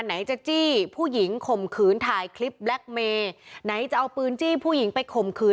ไหนจะจี้ผู้หญิงข่มขืนถ่ายคลิปแล็คเมย์ไหนจะเอาปืนจี้ผู้หญิงไปข่มขืน